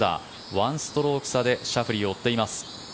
１ストローク差でシャフリーを追っています。